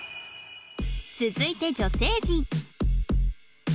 続いて女性陣